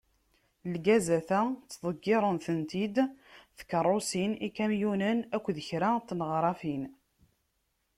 Lgazat-a, ttḍeggirent-ten-id tkerrusin, ikamyunen akked kra n tneɣrafin.